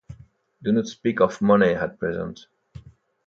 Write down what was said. Do not speak of money at present.